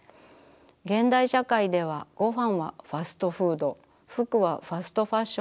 現代社会ではごはんはファストフード服はファストファッション中心。